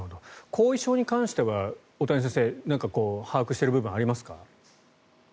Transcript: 後遺症に関しては大谷先生、何か把握している部分はありますか？